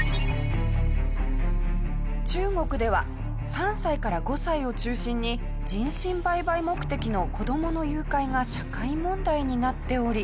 中国では３歳から５歳を中心に人身売買目的の子供の誘拐が社会問題になっており。